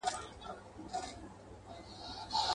ټول لښکر مي ستا په واک کي درکومه.